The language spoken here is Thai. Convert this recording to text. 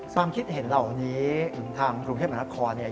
ความคิดเห็นเหล่านี้ทางกรุงเทพอล์อาณาคอร์